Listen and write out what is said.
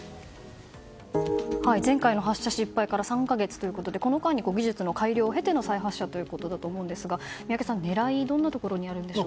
前回の発射失敗から３か月ということでこの間に技術の改良を経ての再発射と思うんですが、宮家さん、狙いはどんなところにあるでしょう。